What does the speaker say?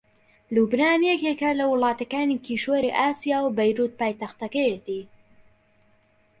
لوبنان یەکێکە لە وڵاتەکانی کیشوەری ئاسیا و بەیرووت پایتەختەکەیەتی